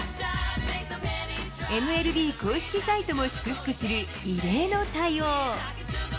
ＭＬＢ公式サイトも祝福する、異例の対応。